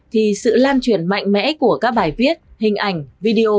thì sự lan truyền mạnh mẽ của các bài viết hình ảnh video